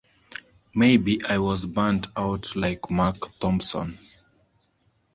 Maybe I was burnt out like Mark Thompson.